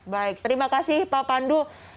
baik terima kasih pak pandu